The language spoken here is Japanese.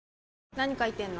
何書いてんの？